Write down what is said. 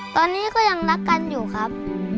ตอนนี้ก็ยังรักกันอยู่ครับ